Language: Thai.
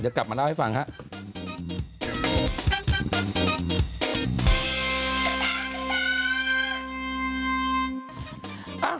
เดี๋ยวกลับมาเอาให้ฟังฮะ